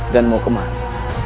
dan mau kemana